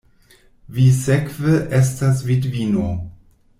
Vi sekve estas vidvino!